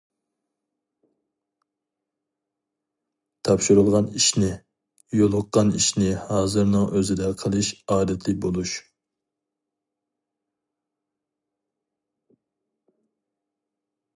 تاپشۇرۇلغان ئىشنى، يولۇققان ئىشنى ھازىرنىڭ ئۆزىدە قىلىش ئادىتى بولۇش.